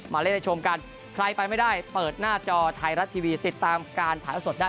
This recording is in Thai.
เล่นได้ชมกันใครไปไม่ได้เปิดหน้าจอไทยรัฐทีวีติดตามการถ่ายละสดได้